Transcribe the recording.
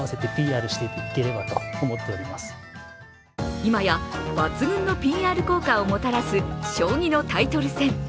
今や抜群のＰＲ効果をもたらす将棋のタイトル戦。